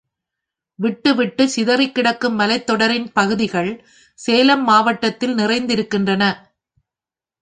விட்டுவிட்டுச் சிதறிக் கிடக்கும் மலைத் தொடரின் பகுதிகள் சேலம் மாவட்டத்தில் நிறைந்திருக்கின்றன.